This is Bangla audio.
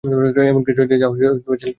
এমন কিছু আছে যা ছেলের জন্যেও খোওয়ানো যায় না।